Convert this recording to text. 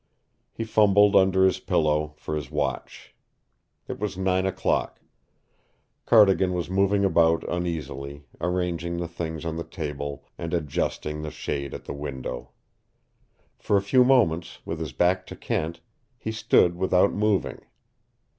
He fumbled under his pillow for his watch. It was nine o'clock. Cardigan was moving about uneasily, arranging the things on the table and adjusting the shade at the window. For a few moments, with his back to Kent, he stood without moving.